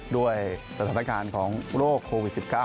ด้วยสถานการณ์ของโรคโควิด๑๙